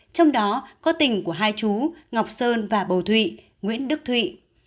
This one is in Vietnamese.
trong đó có tình của hai chú ngọc sơn và bầu thụy nguyễn đức thụy